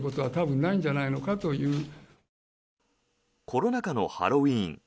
コロナ禍のハロウィーン。